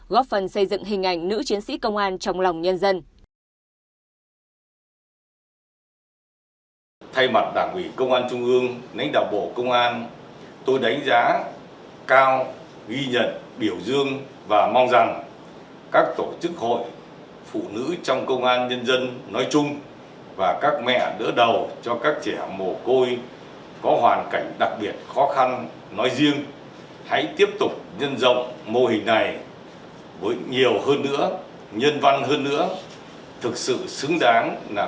góp phần xây dựng hình ảnh nữ chiến sĩ công an trong lòng nhân dân